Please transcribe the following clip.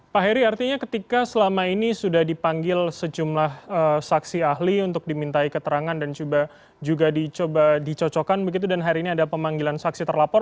pak heri artinya ketika selama ini sudah dipanggil sejumlah saksi ahli untuk dimintai keterangan dan juga dicoba dicocokkan begitu dan hari ini ada pemanggilan saksi terlapor